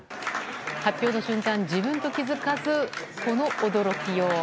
発表の瞬間自分と気づかず、この驚きよう。